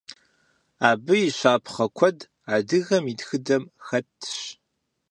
Абы и щапхъэ куэд адыгэм и тхыдэм хэтщ.